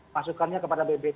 masukannya kepada bnpt